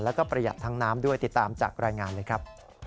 แล้วก็ประหยัดทั้งน้ำด้วยติดตามจากรายงานเลยครับ